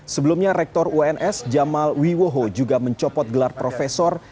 sebelumnya rektor uns jamal wiwoho juga mencopot gelar profesor